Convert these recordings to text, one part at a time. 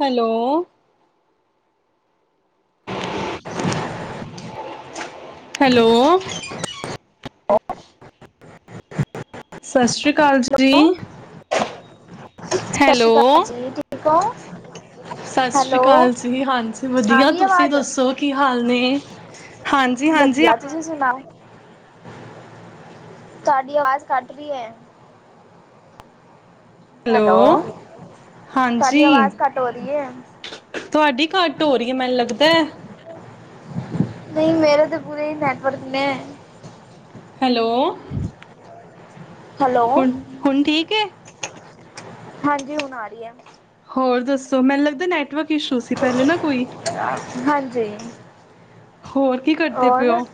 Hello hello ਸਤਿ ਸ਼੍ਰੀ ਅਕਾਲ ਹੈਲੋ ਜੀ ਸਤਿ ਹੈਲੋ ਸ਼੍ਰੀ ਅਕਾਲ ਜੀ ਠੀਕ ਹੋ? ਸਤਿ ਸ੍ਰੀ ਹੈਲੋ ਅਕਾਲ ਜੀ ਹਾਂਜੀ ਆ ਵਧੀਆ ਗਈ ਤੁਸੀਂ ਆਵਾਜ਼ ਦੱਸੋ ਕੀ ਹਾਲ ਨੇ ਹਾਂਜੀ, ਹਾਂਜੀ ਤੁਆਡੀ ਅਵਾਜ਼ ਕੱਟ ਰਹੀ ਐ। ਹੈਲੋ ਤੁਹਾਡੀ ਹਾਂਜੀ ਆਵਾਜ਼ ਘੱਟ ਹੋ ਰਹੀ ਹੈ ਤੁਹਾਡੀ ਕੱਟ ਹੋ ਰਹੀ ਐ ਮੈਨੂੰ ਲੱਗਦਾ। ਨਈਂ ਮੇਰੇ ਤਾਂ ਪੂਰੇ ਹੀ ਨੈਟਵਰਕ ਨੇ ਹੈਲੋ ਹੈਲੋ ਹੁਣ ਹੁਣ ਠੀਕ ਐ? ਹਾਂਜੀ ਹੁਣ ਆ ਰਹੀ ਐ। ਹੋਰ ਦੱਸੋ ਮੈਨੂੰ ਲੱਗਦਾ ਨੈਟ ਨੈਟਵਰਕ ਇਸ਼ੂ ਸੀ ਪਹਿਲੇ ਨਾ ਕੋਈ। ਹਾਂਜੀ। ਹੋਰ ਕੀ ਕਰਦੇ ਹੋਰ ਪਏ ਹੋ?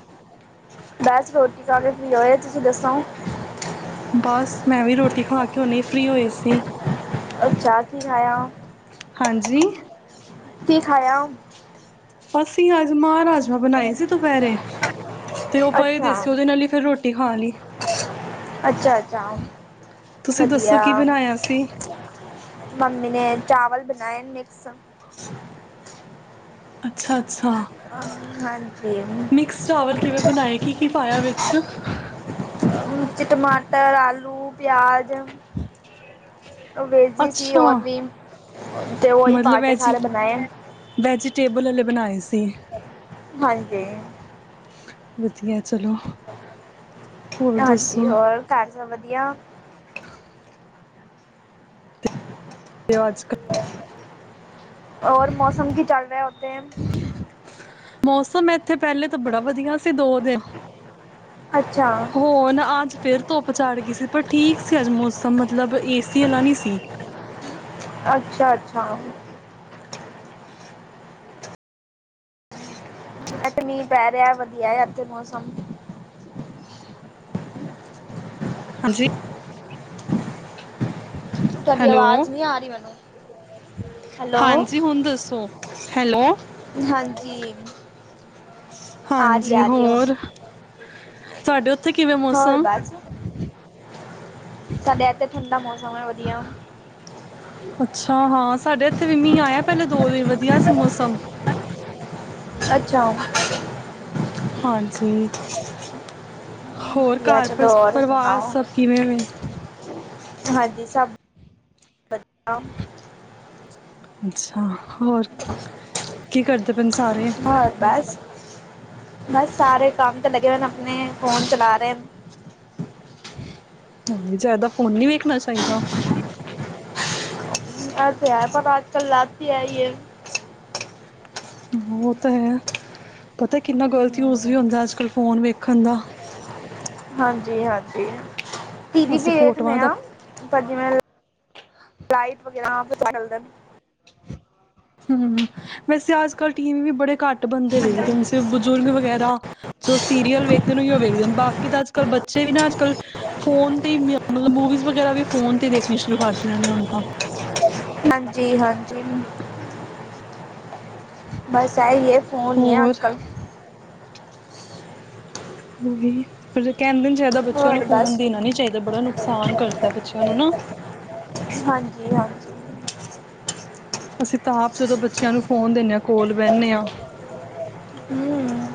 ਬਸ ਰੋਟੀ ਖਾ ਕੇ ਫਰੀ ਹੋਏ ਤੁਸੀਂ ਦੱਸੋ। ਕਿਉਂ ਨਹੀਂ ਫਰੀ ਹੋਏ ਸੀ। ਅਛਾ ਕੀ ਖਾਇਆ? ਹਾਂਜੀ। [unintelligible] ਕੀ ਖਾਇਆ? ਬਸ ਅੱਜ ਮਾਂਹ ਰਾਜਮਾ ਬਣਾਏ ਸੀ ਦੁਪਹਿਰੇ ਤੇ ਉਹ ਪਏ ਅੱਛਾ ਦੇ ਸੀ ਉਹਦੇ ਨਾਲ ਹੀ ਫਿਰ ਰੋਟੀ ਖਾ ਲਈ। ਅੱਛਾ, ਅੱਛਾ ਤੁਸੀਂ ਦੱਸੋ ਵਧੀਆ ਕੀ ਬਣਾਇਆ ਸੀ ਮੰਮੀ ਨੇ ਚਾਵਲ ਬ ਮੈਂ ਮਿਕਸ ਸਬ ਅੱਛਾ। ਅੱਛਾ ਹਾਂਜੀ ਮਿਕਸ ਚਾਵਲ ਕਿਵੇਂ ਬਣਾਏ ਕੀ-ਕੀ ਪਾਇਆ ਵਿੱਚ ਵਿੱਚ ਟਮਾਟਰ, ਆਲੂ, ਪਿਆਜ ਉਹ ਵੇਜੀ ਸੀ ਅੱਛਾ ਔਰ ਵੀ ਤੇ ਉਹੀ ਮਤਲਬ ਪਾ ਕੇ ਵੈਜੀ ਸਾਰੇ ਬਣਾਏ। ਵੈਜੀਟੇਬਲ ਵਾਲੇ [unintelligible] ਹਾਂਜੀ। ਵਧੀਆ। ਚਲੋ ਹੋਰ ਦੱਸੋ। ਹਾਂਜੀ ਹੋਰ ਘਰ ਵਧੀਆ। ਅੱਜ ਕੱਲ ਔਰ ਮੌਸਮ ਕੀ ਚੱਲ ਰਿਹਾ ਓਥੇ। ਮੌਸਮ ਇ ਉਥੇ ਪਹਿਲੇ ਤਾਂ ਬੜਾ ਵਧੀਆ ਸੀ ਦੋ ਦਿਨ ਅੱਛਾ, ਹੋਰ ਨਾ ਅੱਜ ਫੇਰ ਧੁੱਪ ਚੱੜ ਗਈ ਸੀ ਪਰ ਠੀਕ ਸੀ ਅੱਜ ਮੌਸਮ ਮਤਲਬ ਏਸੀ ਵਾਲਾ ਨੀ ਸੀ। ਅੱਛਾ, ਅੱਛਾ। ਇੱਥੇ ਮੀਂਅ ਪੈ ਰਿਆ ਵਧੀਆ ਐ ਏਥੇ ਮੌਸਮ। ਹਾਂਜੀ ਤੁਹਾਡੀ ਹੈਲੋ ਅਵਾਜ਼ ਨਹੀਂ ਆ ਰਹੀ ਮੈਨੂੰ ਹੈਲੋ ਹਾਂਜੀ ਹੁਣ ਦੱਸੋ ਹੈਲੋ ਹਾਂਜੀ ਆ ਰਹੀ ਹਾਂਜੀ ਆ ਰਹੀ ਹੈ ਹੁਣ। ਹੋਰ, ਸਾਡੇ ਉੱਥੇ ਥ ਕਿਵੇ ਹੋਰ ਮੌਸਮ ਬਸ ਸਾਡੇ ਇੱਥੇ ਠੰਡਾ ਮੌਸਮ ਹੈ ਵਧੀਆ, ਅੱਛਾ ਹਾਂ ਸਾਡੇ ਇੱਥੇ ਵੀ ਮੀਹ ਆਇਆ ਪਹਿਲਾਂ ਦੋ ਦਿਨ ਵਧੀਆ ਸੀ ਮੌਸਮ, ਅੱਛਾ ਹਾਂਜੀ। ਹੋਰ ਵਧੀਆ ਘਰ ਪਰ ਚਲੋ ਹੋਰ ਪਰਿਵਾਰ ਸੁਣਾਓ ਸਭ ਕਿਵੇਂ ਐ? ਹਾਂਜੀ ਸਭ [unintelligible] ਅੱਛਾ, ਹੋਰ ਕੀ ਕਰਦੇ ਪਏ ਨੇ ਸਾਰੇ? ਹੋਰ ਬਸ ਬਸ ਸਾਰੇ ਕੰਮ ਤੇ ਲੱਗੇ ਹੋਏ ਆਪਣੇ ਫੋਨ ਚਲਾ ਰਹੇ। ਜ਼ਿਆਦਾ ਫੋਨ ਨੀ ਵੇਖਣਾ ਚਾਹੀਦਾ। ਇਹ ਤੇ ਹੈ, ਪਰ ਅੱਜ ਕੱਲ ਲੱਤੀ ਐਈ ਐ। ਉਹ ਤਾਂ ਹੈ ਪਤਾ ਕਿੰਨਾ ਗਲਤ ਯੂਜ ਵੀ ਹੁੰਦਾ ਅੱਜ ਕੱਲ ਫੋਨ ਵੇਖਣ ਦਾ ਹਾਂਜੀ-ਹਾਂਜੀ, ਟੀ ਵੀ ਅਸੀਂ ਵੀ ਫੋਟੋਆਂ ਵੇਖਨੇ ਦਾ ਆ ਪਰ ਜਿਵੇਂ ਫਲਾਈਟ ਵਗੈਰਾ [unintelligible] ਹੂੰ, ਵੈਸੇ ਅੱਜ ਕੱਲ੍ਹ ਟੀ ਵੀ ਵੀ ਬੜੇ ਘੱਟ ਬੰਦੇ ਵੇਖਦੇ ਨੇ ਸਿਰਫ ਬਜ਼ੁਰਗ ਵਗੈਰਾ, ਜੋ ਸੀਰੀਅਲ ਵੇਖਦੇ ਨੇ ਉਹ ਵੇਖਦੇ ਬਾਕੀ ਤਾਂ ਅੱਜ ਕਲ ਬੱਚੇ ਵੀ ਨਾ ਅਜ ਕਲ ਫੋਨ ਤੇ ਮੂਵੀਜ਼ ਵਗੈਰਾ ਵੀ ਫੋਨ ਤੇ ਦੇਖਣੀ ਸ਼ੁਰੂ ਕਰਦੀ ਆ ਹੁਣ ਤਾਂ ਹਾਂਜੀ-ਹਾਂਜੀ, ਬਸ ਹੈ ਇਹ ਫੋਨ ਹੀ ਹੈ ਹੋਰ ਅੱਜ ਕੱਲ੍ਹ, ਉਹੀ ਫੇਰ ਕੇ ਚਾਹੀਦਾ ਬੱਚਿਆਂ ਨੂੰ ਹੋਰ ਫੋਨ ਬਸ ਦੇਣਾ ਨੀ ਚਾਹੀਦਾ ਬੜਾ ਨੁਕਸਾਨ ਕਰਦਾ ਬੱਚਿਆਂ ਨੂੰ ਨਾ ਹਾਂਜੀ ਹਾਂਜੀ ਅਸੀਂ ਤਾ ਆਪ ਜਦੋਂ ਬੱਚਿਆਂ ਨੂੰ ਫੋਨ ਦਿੰਨੇ ਆ। ਕੋਲ ਬਹਿਨੇ ਆ। ਹਮ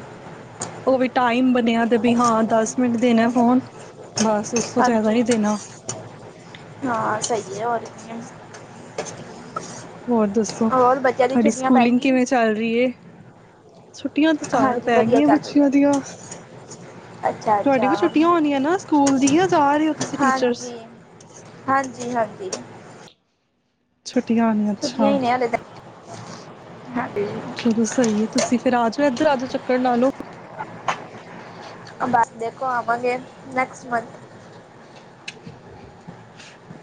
ਉਹ ਵੀ ਟਾਈਮ ਬਣਿਆ ਤੇ ਵੀ ਹਾਂ ਦਸ ਮਿੰਟ ਦੇਣਾ ਫੋਨ ਬਸ ਉਸ ਤੋਂ ਜ਼ਿਆਦਾ ਹਾਂਜੀ, ਨਹੀਂ ਦੇਣਾ ਹਾਂ ਸਹੀ। ਵਧੀਆ ਹੋਰ ਤੁਸੀ ਸੁਣਾਓ? ਹੋਰ ਦੱਸੋ ਤੁਹਾਡੀ ਛੁੱਟੀਆਂ ਪੈ ਸਕੂਲਿੰਗ ਗਈ ਕਿਵੇਂ ਚੱਲ ਰਹੀ ਹੈ? ਛੁੱਟੀਆਂ ਤਾਂ ਚੱਲ ਹਾਂਜੀ ਪੈ ਵਧੀਆ ਗਈਆਂ ਚੱਲ ਰਹੀ ਬੱਚਿਆਂ ਹੈ ਦੀਆਂ ਅੱਛਾ ਤੁਹਾਡੀ ਵੀ ਅੱਛਾ ਛੁੱਟੀਆਂ ਹੋਣੀਆਂ ਨਾ ਸਕੂਲ ਦੀ ਆ ਜਾ ਰਹੇ ਹੋ ਤੁਸੀਂ ਟੀਚਰਸ ਹਾਂਜੀ ਹਾਂਜੀ ਹਾਂਜੀ ਛੁੱਟ ਵਧਿਆ ਹੋਗੀਆ ਛੁੱਟੀਆਂ ਅੱਛਾ, ਹੀ ਨੇ ਹਾਲੇ ਤਾਂ ਹਾਂਜੀ ਚਲੋ ਸਹੀ ਹੈ ਤੁਸੀਂ ਫਿਰ ਆਜ ਏਧਰ ਆਜੋ, ਚੱਕਣ ਲਾਲੋਂ। ਬਸ ਦੇਖੋ ਆਵਾਂਗੇ ਨੈਕਸਟ ਮੰਥ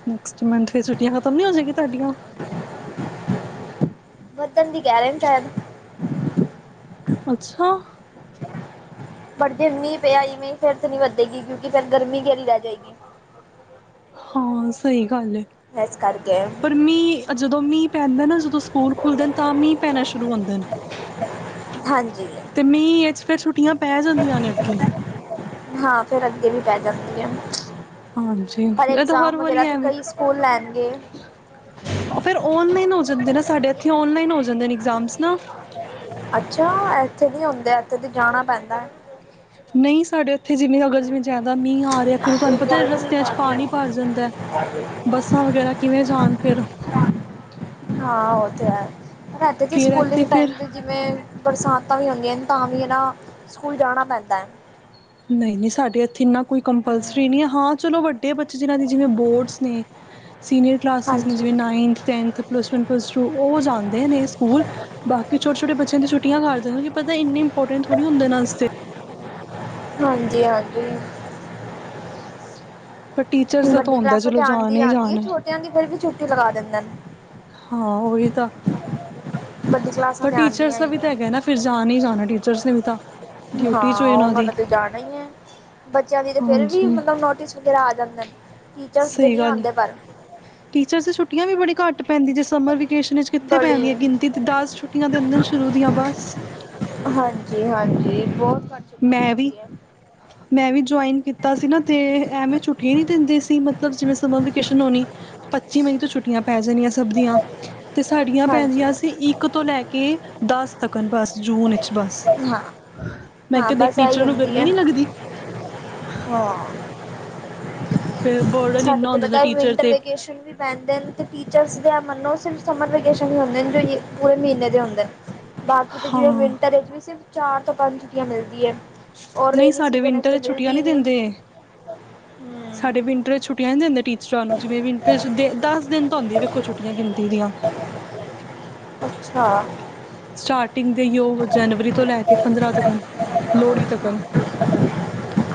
ਨੈਕਸਟ ਮੰਥ ਤੇ ਛੁੱਟੀਆਂ ਖਤਮ ਨੀ ਹੋ ਜਾਏਗੀ ਤੁਹਾਡੀਆਂ। ਵਰਤਣ ਦੀ ਕਹਿ ਰਹੇ ਨੇ, ਸ਼ਾਇਦ। ਅੱਛਾ ਪਰ ਜੇ ਮੀ ਪਿਆਈ ਮ ਫਿਰ ਤੇ ਨਹੀਂ ਵੱਧੇਗੀ, ਕਿਉਂਕਿ ਫੇਰ ਗਰਮੀ ਕੇਹੜੀ ਰਹਿ ਜਾਏਗੀ। ਹਾਂ ਸਹੀ ਗੱਲ ਐ, ਇਸ ਕਰਕੇ ਪਰ ਮੀਂਹ ਜਦੋਂ ਮੀਂਹ ਪੈਂਦਾ ਨਾ ਸੁੱਕਾ ਸਕੂਲ ਖੁੱਲਦੇ ਨ, ਤਾਂ ਮੀਂਹ ਪੈਣਾ ਸ਼ੁਰੂ ਸ਼ੁਰੂ ਹੁੰਦੇ ਨੇ ਹਾਂਜੀ ਤੇ ਮੀਂਹ ਇਚ ਫੇਰ ਛੁੱਟਿਆਂ ਪੈ ਜਾਂਦੀਆਂ ਨੇ ਅੱਗੇ। ਹਾਂ ਫਿਰ ਅੱਗੇ ਵੀ ਪੈ ਜਾਂਦੀ ਐ। ਹਾਂਜੀ, ਇਹ ਤਾਂ ਹਰ ਵਾਰੀ ਐ ਵੀ, ਕਈ ਸਕੂਲ ਲੈਣਗੇ ਔ ਫਿਰ ਔਨਲਾਈਨ ਹੋ ਜਾਂਦੇ ਨਾ ਸਾਡੇ ਇਥੇ ਔਨਲਾਈਨ ਹੋ ਦੇਂਦੇ ਐਗਜ਼ਾਮਸ ਨਾ। ਅੱਛਾ ਐਥੇ ਨੀ ਹੁੰਦੇ ਐ। ਕਦੇ ਜਾਣਾ ਪੈਂਦਾ ਹੈ। ਥੇ ਜਿੰਨੀ ਹੋ ਜਾਏ, ਜਿਵੇਂ ਜ਼ਿਆਦਾ ਮੀਂਹ ਆ ਰਿਹਾ ਫਿਰ ਔ ਤੁਹਾਨੂੰ ਪਤਾ, ਰਸਤਿਆਂ ਚ ਪਾਣੀ ਭਰ ਜਾਂਦਾ ਐ, ਬੱਸਾਂ ਵਗੈਰਾ ਕਿਵੇਂ ਜਾਣ ਫਿਰ। ਔ ਤੇ ਹੈ। ਰਾਤੀ ਤੇ ਫਿਰ ਇੱਥੇ ਸਕੂਲਿੰਗ ਫਿਰ ਟਾਈਮ ਤੇ ਜਿਵੇਂ ਬਰਸਾਤਾਂ ਵੀ ਹੁੰਂਦੀਆਂ ਨ, ਤਾਂ ਵੀ ਨਾ ਸਕੂਲ ਜਾਣਾ ਪੈਂਦਾ ਹੈ। ਨਹੀਂ ਨਹੀਂ ਸਾਡੇ ਇੱਥੇ ਇਨਾ ਕੋਈ ਕੰਪਲਸਰੀ ਨਹੀਂ ਐ, ਹਾਂ ਚਲੋ ਵੱਡੇ ਬੱਚੇ ਜਿਨ੍ਹਾਂ ਦੇ ਜਿਵੇਂ ਬੋਰਡਸ ਨੇ ਸੀਨੀਅਰ ਕਲਾਸਿਸ ਨੇ ਹਾਂਜੀ ਜਿਵੇਂ ninth tenth plus one plus two, ਔ ਜਾਂਦੇ ਨੇ ਸਕੂਲ ਬਾਕੀ ਛੋਟੇ ਛੋਟੇ ਬੱਚਿਆਂ ਦੇ ਛੋਟ ਛੁਟਿਆ ਹਰ ਜਗਹ ਹੁੰਦੀ, ਪਤਾ ਇਨੀ ਇੰਪੋਰਟੈਂਟ ਥੋੜੀ ਹੁੰਦੇ ਇੰਨਾ ਵਾਸਤੇ। ਹ [unintelligible] ਹਾਂਜੀ ਹਾਂਜੀ ਪਰ ਟੀਚਰਸ ਦਾ ਤਾਂ ਵੱਡੀ ਹੁੰਦਾ ਕਲਾਸਾਂ ਤੇ ਚਲੋ ਜਾਣ ਆਂਦੀ ਹੀ ਆਂਦੀ, ਜਾਣ ਛੋਟੇਆਂ ਦੀ ਫਿਰ ਵੀ ਛੁ ਲਗਾ ਦਿੰਦੇ ਨ ਹਾਂ ਉਹੀ ਤਾਂ ਵੱਡੀ ਕਲਾਸਾਂ ਪਰ ਤੇ ਟੀਚਰਸ ਆਂਦੀਆਂ ਦਾ ਹੀ ਵੀ ਤਾਂ ਹੈ ਹੈਗਾ ਨਾ ਫਿਰ ਜਾਣ ਹੀ ਜਾਣਾ ਟੀਚਰਸ ਨੇ ਵੀ ਤਾਂ ਹਾਂ, ਡਿਊਟੀ ਚ ਹਾਂ ਉਹਨਾਂ ਦੀ ਔਨਾਨੇ ਤੇ ਜਾਣਾ ਹੀ ਹੈ, ਬੱਚਿਆਂ ਦੀ ਤੇ ਫਿਰ ਵੀ ਹਾਂਜੀ ਮਤਲਬ ਨੋਟਿਸ ਵਗੈਰਾ ਆ ਜਾਂਦੀ। ਹੈਲੋ ਸਹੀ ਗੱਲ ਹੈ, ਟੀਚਰਸ ਦੀ ਛੁੱਟੀਆਂ ਵੀ ਬੜੀ ਘੱਟ ਪੈਂਦੀ ਜੇ ਸਮਰ ਵੀ, ਘੱਟ ਕਿੱਥੇ ਬੜੀ ਪੈਦੀਆਂ ਗਿਣਤੀ ਤੇ ਦਸ ਛੁੱਟੀਆਂ ਦੇ ਹ ਦਿਨ ਸ਼ੁਰੂ ਦੀਆਂ ਬਸ ਹਾਂਜੀ ਹਾਂਜੀ ਬਹੁਤ ਘੱਟ ਛੁੱਟੀਆਂ ਮੈਂ ਵੀ ਪੈਂਦੀ ਹੈ ਮੈਂ ਵੀ ਜੁਆਇਨ ਕੀਤਾ ਸੀ ਨਾ ਤੇ ਐਵੇਂ ਛੁੱਟੀਆਂ ਨੀ ਦਿੰਦੇ ਸੀ ਮਤਲਬ ਜਿਵੇਂ ਸਮਾਂ ਵਕੇਸ਼ਨ ਹੋਣੀ ਪੱਚੀ ਮਈ ਤੋਂ ਛੁੱਟੀਆਂ ਪੈ ਜਾਣੀਆਂ ਸਭ ਦੀਆਂ ਤੇ ਸਾਡੀਆਂ ਹਾਂਜੀ ਪੈਦੀਆਂ ਸੀ ਇੱਕ ਤੋਂ ਲੈ ਕੇ ਦਸ ਬਸ ਜੂਨ ਚ ਬਸ ਹਾਂ ਮੈਂ ਹਾਂ ਕਹਿੰ ਦੇਖ ਬਸ ਇਹੀ ਟੀਚਰਾਂ ਨੂੰ ਹੁੰਦੀ ਗਰਮੀ ਹੈ ਨਹੀਂ ਲੱਗਦੀ ਹਾਂ ਫਿਰ ਬਰਡਨ ਸਾਡੇ ਇੰਨਾ ਤੇ ਹੁੰਦਾ ਪਤਾ ਟੀਚਰ ਵਿੰਟਰ ਤੇ ਵੇਕੇਸ਼ਨ ਵੀ ਪੈਂਦੇ ਤੇ ਟੀਚਰਸ ਮਨੋ ਸਫ ਸਮਰ ਵੈਕੇਸ਼ਨ ਵੀ ਹੁੰਦੇ ਜੋ ਪੂਰੇ ਮਹੀਨ ਦੇ ਹੁੰਦੇ ਜਿਵੇਂ ਹਾਂ, ਵਿੰਟਰ ਵਿੱਚ ਵੀ ਸਿਰਫ ਚਾਰ ਤੋਂ ਪੰਜ ਛੁਟੀਆਂ ਮਿਲਦੀ ਹੈ ਔਰ ਨਹੀਂ ਰੇਨੀ ਸਾਡੇ ਸੀਜ਼ਨ ਇਸ ਤੇ ਵਿੰਟਰ ਛੁੱਟੀਆਂ ਮਿਲਦੀ ਨਹੀਂ ਦਿੰਦੇ ਹਮ ਸਾਡੇ ਵਿੰਟਰ ਚ ਛੁੱੀਆਂ ਜਾਂਦੀਆਂ ਜਿਵੇਂ ਵੀ ਇ ਦੇ ਦਸ ਦਿਨ ਤਾਂ ਆਉਦੀ ਆ ਵੇਖੋ ਛੁੱਟੀਆਂ ਗਿਣਤੀ ਦੀਆਂ ਹਾਂ ਸਟਾਟ ਟਿੰ ਦੇ ਯੋਗ ਜਨਵਰੀ ਤੋਂ ਲੈ ਕੇ ਪੰਦਰਾਂ ਤਕ ਲੋਹੜੀ ਤੱਕ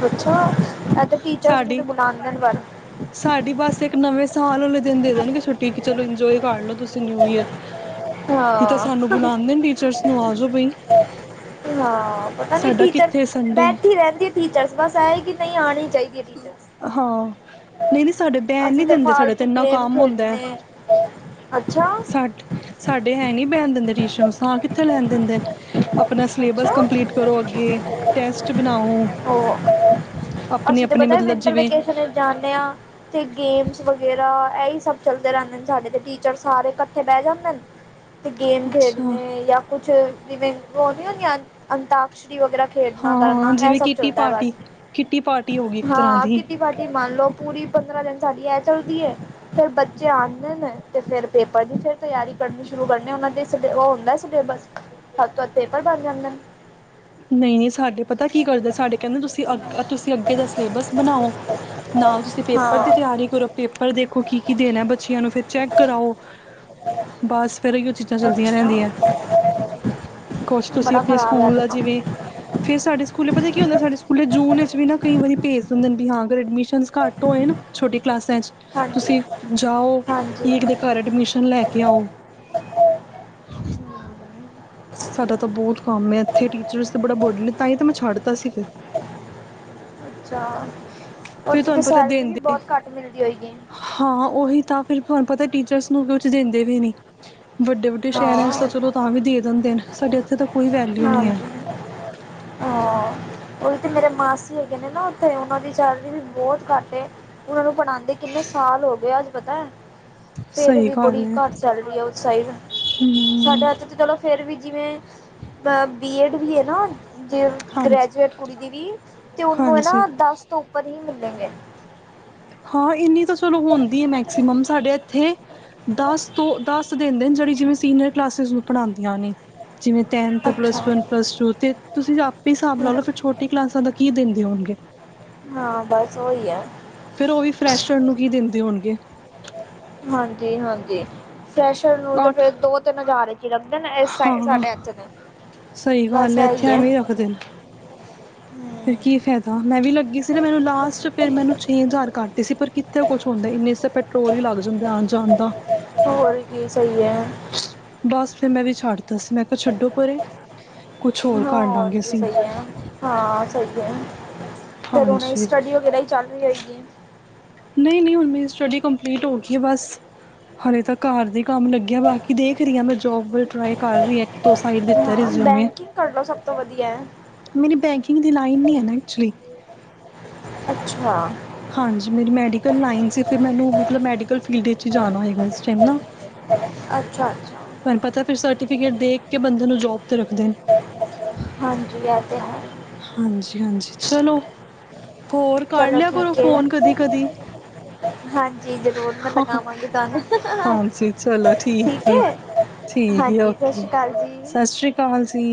ਅੱਛਾ ਇਹ ਤੇ ਟੀਚਰਸ ਨੂੰ ਤੇ ਸਾਡੀ, ਬੁਲਾਉਂਦੇ ਨੇ ਪਰ ਸਾਡੀ ਬਸ ਇੱਕ ਨਵੇਂ ਸਾਲ ਵਾਲੇ ਦਿਨ ਦੇ ਦੇਣਗੇ ਛੁੱਟੀ ਚਲੋ ਇੰਜੋਏ ਕਰ ਲੋ ਨਿਊ ਈਰ ਨਾ ਪਤਾ ਨੀ ਸਾਡਾ ਟੀਚਰਸ ਕਿੱਥੇ ਸੰਡੇ ਬੈਠੀ ਰਹਿੰਦੇ ਟੀਚਰਸ ਬਸ ਐ ਕਿ ਨਹੀਂ ਆਣੀ ਚਾਹੀਦੀ ਟੀਚਰਸ। ਹਾਂ ਨਹੀਂ-ਨਹੀਂ ਸਾਡੇ ਬੈਣ ਅਸੀਂ ਨੀ ਦਿੰਦੇ ਸਾਡੇ ਤੇ ਫਾਲਤੂ ਇੰਨਾ ਗੇਮ ਕੰਮ ਹੁੰਦਾ ਹੈ ਖੇਡਣੇ ਅੱਛਾ ਸਾ ਸਾਡੇ ਹੈ ਨੀ ਬੈਣ ਦਿੰਦੇ ਟਿਊਸ਼ਨ ਹਾਂ ਕਿੱਥੇ ਲੈਣ ਦਿੰਦੇ ਆਪਣਾ ਸਿਲੇਬਸ ਅੱਛਾ ਕੰਪਲੀਟ ਕਰੋ ਅੱਗੇ ਟੈਸਟ ਬਣਾਓ ਉਹ ਅਸੀਂ ਆਪਣੇ ਪਤਾ ਮਤਲਬ ਵਿੰਟਰ ਜਿਵੇਂ ਵੇਕੇਸ਼ਨ ਜਾਂਦੇ ਆ ਤੇ ਗੇਮਸ ਵਗੈਰਾ ਇਹੀ ਸਭ ਚਲਦੇ ਰਹਿੰਦੇ ਨੇ ਸਾਡੇ ਟੀ ੜ ਸਾਰੇ ਇਕੱਠੇ ਬਹਿ ਜਾਂਦੇ ਨੇ ਗੇਮ ਅੱਛਾ ਖੇਡਣੇ ਯਾ ਕੁਛ [inaudible] ਛਰੀ ਵਗੈਰਾ ਖੇਡਣਾ ਹਾਂ ਕਰਨਾ ਇਹ ਜਿਵੇਂ ਸਭ ਕਿੱਟੀ ਚੱਲਦਾ ਹੈ ਬਸ, ਪਾਰਟੀ ਕਿੱਟੀ ਪਾਰਟੀ ਹੋ ਗਈ ਇੱਕ ਤਰ੍ਹਾਂ ਹਾਂ ਦੀ ਕਿਟੀ ਪਾਟੀ ਮੰਨ ਲਓ ਪੂਰੀ ਪੰਦਰਾਂ ਦਿਨ ਸਾਡੀ ਇਹ ਚੱਲਦੀ ਹੈ, ਫੇਰ ਬੱਚੇ ਆਉਂਦੇ ਨੇ ਤੇ ਫਿਰ ਪੇਪਰ ਦੀ ਫਿਰ ਤਿਆਰੀ ਕਰਨੀ ਸ਼ੁਰੂ ਕਰਨੀ ਉਹ ਦੇ ਸ ਉਹ ਹੁੰਦਾ ਸਿਲੇਬਸੱ ਪੇਪਰ ਬਣ ਜਾਂਦੇ ਨੇ ਨਹੀਂ-ਨਹੀਂ ਸਾਡੇ ਪਤਾ ਕੀ ਕਰਦੇ ਸਾਡੇ ਕਹਿੰਦੇ ਤੁਸੀਂ ਅ ਤੁਸੀਂ ਅੱਗੇ ਦਾ ਸਿਲੇਬਸ ਬਣਾਓ ਨਾਲ੍ ਤੁਸੀਂ ਪੇਪਰ ਦੀ ਹਾਂ ਤਿਆਰੀ ਕਰੋ ਪੇਪਰ ਦੇਖੋ ਕੀ ਕੀ ਦੇਣਾ ਬੱਚਿਆਂ ਨੂੰ ਫਿਰ ਚੈੱਕ ਕਰਾਓ ਬਸ ਫਿਰ ਹੀ ਉਹ ਚੀਜ਼ਾਂ ਚਲਦੀਆਂ ਅੱਛਾ ਰਹਿੰਦੀਆਂ ਕੁਛ ਤੁਸੀਂ ਬੜਾ ਆਪਣੇ ਖ਼ਰਾਬ ਹੈ ਸਕੂਲ ਇਹ ਤਾਂ ਦਾ ਕੰਮ ਜਿਵੇਂ ਫੇਰ ਸਾਡੇ ਸਕੂਲ ਪਤਾ ਕੀ ਹੁੰਦਾ ਸਾਡੇ ਸਕੂਲ ਜੂਨ ਵਿੱਚ ਵੀ ਨਾ ਕਈ ਵਾਰੀ ਭੇਜ ਦਿੰਦੇ ਨੇ ਵੀ ਹਾਂ ਐਡਮਿਸ਼ਨ ਘੱਟ ਹੋਏ ਨਾ ਛੋਟੀ ਕਲਾਸਾਂ। ਹਾਂਜੀ ਤੁਸੀਂ ਜਾਓ, ਹਾਂਜੀ ਇੱਕ ਦੇ ਘਰ ਐਡਮਿਸ਼ਨ ਲੈ ਕੇ ਆਓ। ਸਾਡਾ ਤਾਂ ਬਹੁਤ ਕੰਮ ਹੈ ਇਥੇ। ਟੀਚਰਸ ਤੇ ਬੜਾ ਬਰਡਨ ਹੈ, ਤਾਂ ਹੀ ਤਾਂ ਮੈਂ ਛੱਡਤਾ ਸੀ ਫਿਰ। ਅੱਛਾ ਫਿਰ ਉੱਥੇ ਤਾਂ ਤੁਹਾਨੂੰ ਪਤਾ ਸੈਲਰੀ ਵੀ ਦੇਂਦੇ ਬਹੁਤ ਘੱਟ ਮਿਲਦੀ ਹੋਏਗੀ ਹਾਂ। ਉਹੀ ਤਾਂ, ਫਿਰ ਤੁਹਾਨੂੰ ਪਤਾ ਟੀਚਰਸ ਕੁਛ ਦਿੰਦੇ ਵੀ ਨੀ। ਵੱਡੇ ਵੱਡੇ ਸ਼ਹਿਰਾਂ ਤਾਂ ਹਾਂ ਚਲੋ, ਤਾਂ ਵੀ ਦੇ ਦਿੰਦੇ ਨੇ। ਸਾਡੇ ਇੱਥੇ ਤਾਂ ਕੋਈ ਵੈਲਿਊ ਨਹੀਂ ਹੈ। ਹਾਂਜੀ ਉਹ ਤੇ ਮੇਰੇ ਮਾਸੀ ਹੈਗੇ ਨੇ ਨਾ ਉੱਥੇ। ਉਹਨਾਂ ਦੀ ਚੈਲਰੀ ਵੀ ਬਹੁਤ ਘੱਟ ਹੈ, ਉਹਨਾਂ ਨੂੰ ਪੜਉਂਦੇ ਕਿੰਨੇ ਸਾਲ ਹੋ ਗਏ, ਅੱਜ ਪਤਾ ਹੈ। ਫੇਰ ਸਹੀ ਵੀ ਗੱਲ ਬੜੀ ਹੈ ਘੱਟ ਸੈਲਰੀ ਹੈ ਉਸ ਸਾਈਡ ਸਾਡੇ ਇਥੇ ਤੇ ਚਲੋ। ਫਿਰ ਵੀ, ਜਿਵੇਂ ਅ ਬੀ ਏਡ ਵੀ ਹੈ ਨਾ ਹਾਂਜੀ [inaudible] ਹਾਂਜੀ। [unintelligible] ਹਾਂ, ਇੰਨੀ। ਚਲੋ, ਹੁੰਦੀ ਹੈ ਮੈਕਸੀਮਮ ਸਾਡੇ ਇੱਥੇ। ਦਸ ਤੋਂ ਦਸ ਦਿੰਦੇ ਨੇ, ਜਿਹੜੀ ਜਿਵੇਂ ਸੀਨੀਅਰ ਕਲਾਸਿਸ ਪੜਾਉਂਦੀਆਂ ਨੇ। ਜਿਵੇਂ ਟੈਨਥ, ਪਲੱਸ ਅੱਛਾ ਵਨ, ਪਲੱਸ ਟੂ ਤੇ ਤੁਸੀਂ ਆਪੇ ਹੀ ਹਿਸਾਬ ਲਾ ਲਓ, ਫਿਰ ਛੋਟੀ ਕਲਾਸਾਂ ਦਾ ਕੀ ਦਿੰਦੇ ਹੋਣਗੇ। ਹਾਂ ਬਸ ਉਹੀ ਹੈ ਫਿਰ ਉਹ ਵੀ, ਫਰੈਸ਼ਰ ਨੂੰ ਕੀ ਦਿੰਦੇ ਹੋਣਗੇ? ਹਾਂਜੀ-ਹਾਂਜੀ। ਫਰੈਸ਼ਰ ਨੂੰ ਤੇ ਅੱਠ ਫਿਰ ਦੋ-ਤਿੰਨ ਹਜ਼ਾਰ ਹੀ। ਲੱਗਦੇ ਨੇ ਇਸ ਸਾ ਹਾਂ, ਸਾਡੇ ਇੱਥੇ ਤੇ। ਸਹੀ ਗੱਲ ਬਸ ਹੈ। ਇੱਥੇ ਇਹੀ ਐਵੇਂ ਹੀ ਰੱਖਦੇ ਨੇ। ਫੇਰ ਕੀ ਫ਼ਾਇਦਾ? ਮੈਂ ਵੀ ਲੱਗੀ ਸੀ ਨਾ, ਮੈਨੂੰ ਲਾਸਟ ਫਿਰ ਮੈਨੂੰ ਛੇ ਹਜ਼ਾਰ ਕਰਤੇ। ਤੁਸੀ ਪਰ ਕਿੱਥੇ? ਹੋਰ ਕੀ ਸਹੀ ਹੈ? ਬਸ ਫਿਰ ਮੈਂ ਵੀ ਛੱਡ ਦਸੀਂ, ਮੈਂ ਕਿਹਾ ਛੱਡੋ, ਪਰੇ ਕੁਛ ਹੋਰ ਹਾਂ ਕਰ ਲਾਂਗੇ ਅਸੀਂ। ਫਿਰ ਹੁਣੇ ਹਾਂਜੀ ਸਟੱਡੀ ਵਗੈਰਾ ਹੀ ਚੱਲ ਰਹੀ ਹੋਏਗੀ। ਨਹੀਂ ਨਹੀਂ, ਹੁਣ ਮੇਰੀ ਸਟੱਡੀ ਕੰਪਲੀਟ ਹੋ ਗਈ। ਬਸ ਹਲੇ ਤਾਂ ਘਰ ਦੇ ਕੰਮ ਲੱਗਿਆ, ਬਾਕੀ ਦੇਖ ਰਹੀ ਹਾਂ। ਮੈਂ ਜੋਬ ਵ ਟਰਾਈ ਕਰ ਰਹੀ ਹਾਂ, ਇੱਕ-ਦੋ ਸਾਈਡ ਦਿੱਤਾ ਹਾਂ ਰਿਜ਼ਊਮੇ ਬੈਂਕਿੰਗ ਕਰ ਲਓ ਸਭ ਤੋਂ ਵਧੀਆ ਹੈ। ਮੇਰੀ ਬੈਂਕਿੰਗ ਦੀ ਲਾਈਨ ਨੀ ਹੈ ਨਾ ਐਕਚੁਲੀ। ਅੱਛਾ। ਹਾਂਜੀ ਮੇਰੀ ਮੈਡੀਕਲ ਲਾਈਨ ਸੀ ਫਿਰ ਮੈਂ ਮੈਨੂੰ ਮਤਲਬ ਮੈਡੀ ਮੈਂੜੀਕੱਲ ਫ਼ੀਲਡ ਵਿੱਚ ਹੀ ਜਾਣਾ ਹੋਏਗਾ ਇਸ ਟਾਈਮ ਨਾ ਅੱਛਾ-ਅੱਛਾ ਤੁਹਾਨੂੰ ਪਤਾ ਹੈ ਫਿਰ ਸਰਟੀ ਫਿਕੇਟ ਦੇਖ ਕੇ ਬੰਦੇ ਨੂੰ ਜੋਬ ਤੇ ਰੱਖਦੇ ਨੇ। ਹਾਂਜੀ ਇਹ ਤੇ ਹਾਂਜੀ ਹਾਂਜੀ ਹੈ। ਚਲੋ। ਹੋਰ ਕਰ ਚਲੋ ਲਿਆ ਕਰੋ। ਠੀਕ ਫੋਨ ਹੈ। ਕਦੀ ਕਦੀ। ਹਾਂਜੀ ਜ਼ਰੂਰ ਮੈਂ ਹਾਹਾ ਲਗਾਵਾਂਗੀ ਤੁਹਾਨੂੰ ਹਾਂਜੀ ਚਲੋ ਠੀਕ ਹੈ ਠੀਕ ਹਾਂਜੀ ਸਤਿ ਓਕੇ ਸ਼੍ਰੀ ਅਕਾਲ ਜੀ। ਸਤਿ ਸ੍ਰੀ ਅਕਾਲ ਜੀ।